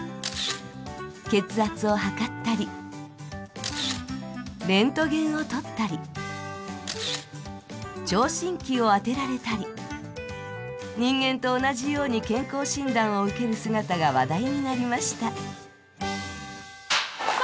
血圧を測ったり、レントゲンを撮ったり、聴診器を当てられたり人間と同じように健康診断を受ける姿が話題になりました。